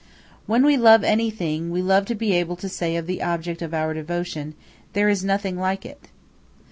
When we love anything, we love to be able to say of the object of our devotion, "There is nothing like it."